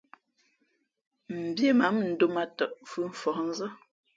Mbie mǎ mʉndōm ā tαꞌ fhʉ̄ mfα̌hnzά.